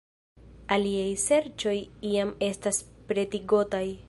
Aliaj sekcioj jam estas pretigotaj.